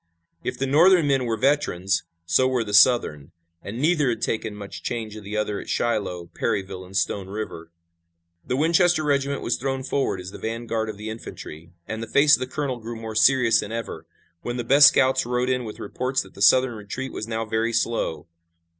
If the Northern men were veterans, so were the Southern, and neither had taken much change of the other at Shiloh, Perryville and Stone River. The Winchester regiment was thrown forward as the vanguard of the infantry, and the face of the colonel grew more serious than ever, when the best scouts rode in with reports that the Southern retreat was now very slow.